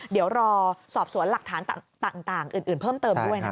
เดี๋ยวรอสอบสวนหลักฐานต่างอื่นเพิ่มเติมด้วยนะคะ